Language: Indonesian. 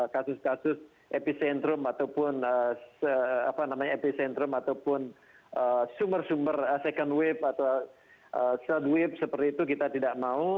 kasus kasus epicentrum ataupun epicentrum ataupun sumber sumber second wave atau third wave seperti itu kita tidak mau